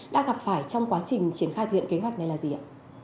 đã gặp phải trong quá trình triển khai thực hiện kế hoạch này là gì ạ